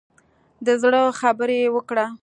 د زړه خبرې وکړه.